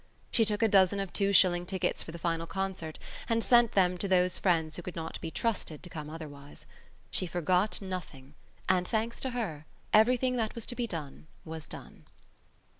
She took a dozen of two shilling tickets for the final concert and sent them to those friends who could not be trusted to come otherwise. She forgot nothing and, thanks to her, everything that was to be done was done.